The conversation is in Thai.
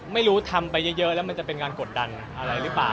ไม่รู้ทำไปเยอะแล้วมันจะเป็นการกดดันอะไรหรือเปล่า